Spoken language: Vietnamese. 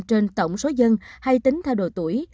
trên tổng số dân hay tính theo độ tuổi